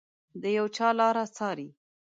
د یو چا لاره څاري